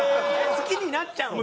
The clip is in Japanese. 好きになっちゃうんだ。